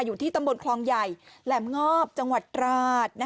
อยู่ที่ตำบลคลองใหญ่แหลมงอบจังหวัดตราด